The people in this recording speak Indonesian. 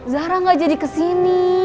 zara gak jadi kesini